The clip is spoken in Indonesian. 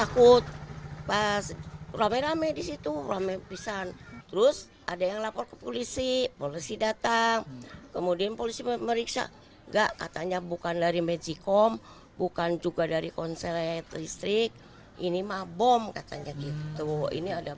katanya bukan dari medjikom bukan juga dari konser listrik ini mah bom katanya gitu ini ada bom